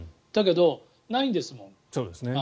だけど、ないんですもん。